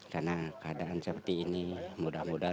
karena keadaan seperti ini mudah mudahan